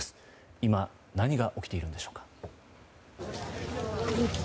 今、何が起きているんでしょうか。